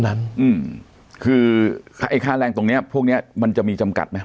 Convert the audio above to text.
อืมคือไอ้ค่าแรงตรงเนี้ยพวกเนี้ยมันจะมีจำกัดไหม